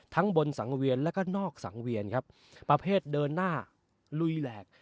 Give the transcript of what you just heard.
บนสังเวียนแล้วก็นอกสังเวียนครับประเภทเดินหน้าลุยแหลก